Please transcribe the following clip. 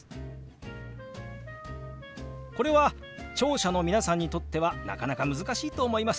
これは聴者の皆さんにとってはなかなか難しいと思います。